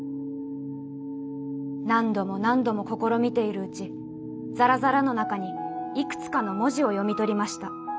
何度も何度も試みているうちザラザラの中に幾つかの文字を読み取りました。